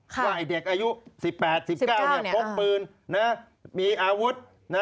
ว่าไอ้เด็กอายุสิบแปดสิบเก้าเนี่ยพกปืนนะมีอาวุธนะสิบแปดสิบเก้าเนี่ยพกปืนนะมีอาวุธนะ